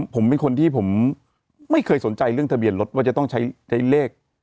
ผมเป็นคนที่ผมไม่เคยสนใจเรื่องทะเบียนรถว่าจะต้องใช้เลข